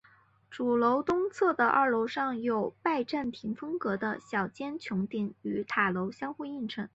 主楼东侧的二楼上有拜占廷风格的小尖穹顶与塔楼相互映衬。